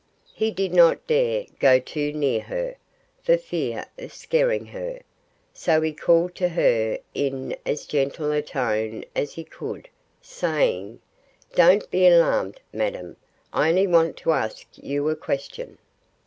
He did not dare go too near her, for fear of scaring her. So he called to her in as gentle a tone as he could, saying, "Don't be alarmed, madam! I only want to ask you a question."